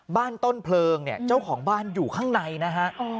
บ้านต้นเพลิงเจ้าของบ้านอยู่ข้างในนะฮะ